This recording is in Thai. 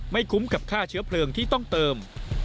คุ้มกับค่าเชื้อเพลิงที่ต้องเติม